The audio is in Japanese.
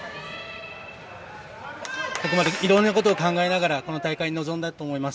ここまでいろんなことを考えながらこの大会に臨んだと思います。